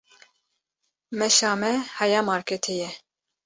Meşa me heya marketê ye.